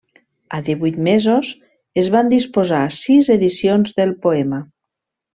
A divuit mesos es van disposar sis edicions del poema.